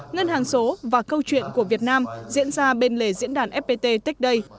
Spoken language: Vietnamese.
ngân hàng số và câu chuyện của việt nam diễn ra bên lề diễn đàn fpt tech day